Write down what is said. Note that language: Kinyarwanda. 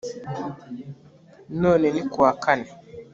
none ni kuwa kane